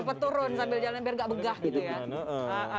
cepet turun sambil jalan biar nggak begah gitu ya